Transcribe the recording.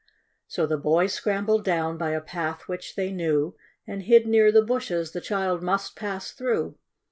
So the boys scrambled down by a path which they knew, And hid near the bushes the child must pass through.